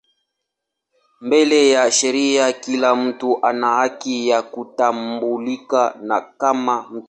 Mbele ya sheria kila mtu ana haki ya kutambulika kama mtu.